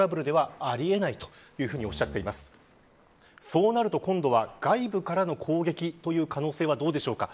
そうなると今度は外部からの攻撃という可能性はどうでしょうか。